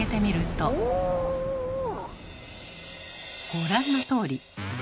ご覧のとおり。